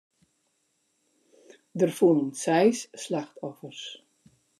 Der foelen seis slachtoffers.